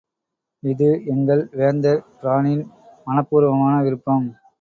இது எங்கள் வேந்தர் பிரானின் மனப்பூர்வமான விருப்பம்.